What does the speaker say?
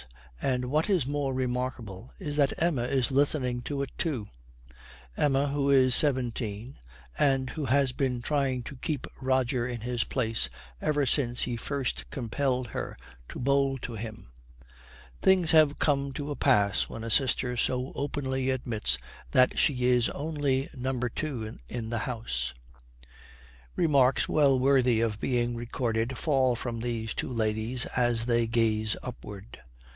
And what is more remarkable is that Emma is listening to it too, Emma who is seventeen, and who has been trying to keep Roger in his place ever since he first compelled her to bowl to him. Things have come to a pass when a sister so openly admits that she is only number two in the house. Remarks well worthy of being recorded fall from these two ladies as they gaze upward.